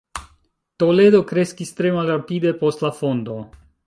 Toledo kreskis tre malrapide post la fondo.